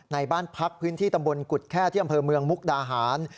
ในบ้านพักพื้นที่ตำบลกุฎแค่ที่อำเภอเมืองมุกดาหาร